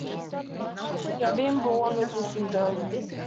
He had been born with this endowment.